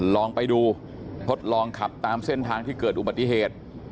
ลองไปดูทดลองขับตามเส้นทางที่เกิดอุบัติเหตุ